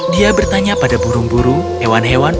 dia bertanya pada burung buru hewan hewan